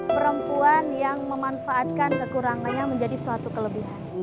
perempuan yang memanfaatkan kekurangannya menjadi suatu kelebihan